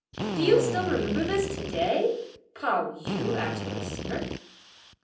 "Do you still remember this to day!" Pao yü asked with a smirk.